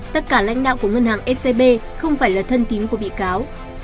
tất cả lãnh đạo của ngân hàng scb không phải là thân tín của bị cáo